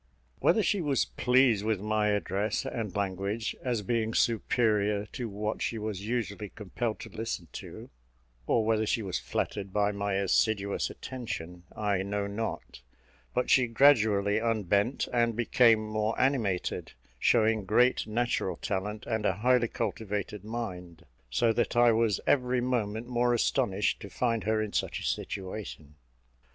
Whether she was pleased with my address and language, as being superior to what she was usually compelled to listen to, or whether she was flattered by my assiduous attention, I know not; but she gradually unbent, and became more animated; showing great natural talent and a highly cultivated mind; so that I was every moment more astonished to find her in such a situation.